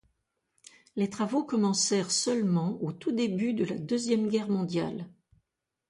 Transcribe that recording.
Les travaux commencèrent seulement au tout début de la Deuxième Guerre mondiale.